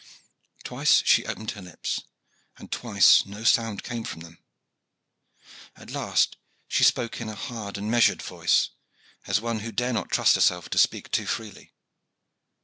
Twice she opened her lips, and twice no sound came from them. At last she spoke in a hard and measured voice, as one who dare not trust herself to speak too freely.